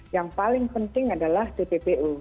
yang paling penting adalah tppu